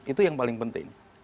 itu yang paling penting